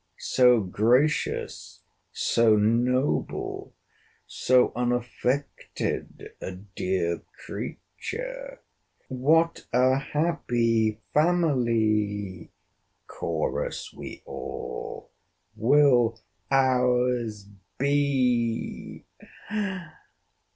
—So gracious, so noble, so unaffected a dear creature!' 'What a happy family,' chorus we all, 'will our's be!